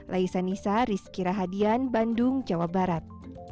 laisa nisa rizky rahadian bandung jawa barat